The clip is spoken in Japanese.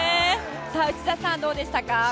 内田さん、どうでしたか？